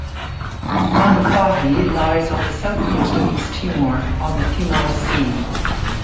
Manufahi lies on the south coast of East Timor, on the Timor Sea.